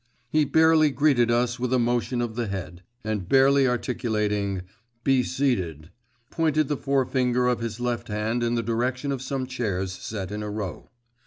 He barely greeted us with a motion of the head, and barely articulating 'Be seated!' pointed the forefinger of his left hand in the direction of some chairs set in a row.